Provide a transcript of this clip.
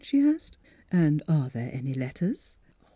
she asked. "And are there any letters?"